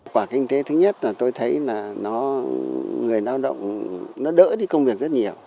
quả kinh tế thứ nhất là tôi thấy là nó người lao động nó đỡ đi công việc rất nhiều